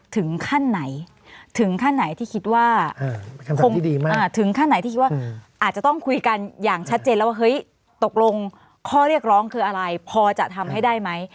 ถึงขั้นไหนที่คิดว่าอาจจะต้องคุยกันอย่างชัดเจนแล้วว่าเฮ้ยตกลงข้อเรียกร้องคืออะไรพอจะทำให้ได้ไหม